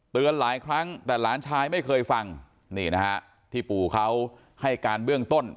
หลายครั้งแต่หลานชายไม่เคยฟังนี่นะฮะที่ปู่เขาให้การเบื้องต้น